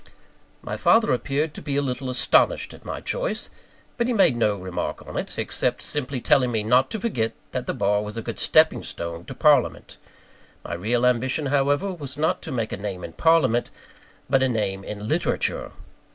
My father appeared to be a little astonished at my choice; but he made no remark on it, except simply telling me not to forget that the bar was a good stepping stone to parliament. My real ambition, however, was, not to make a name in parliament, but a name in literature.